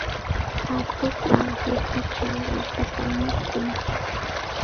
Atuqqa hirkachaw wallpatam mikun.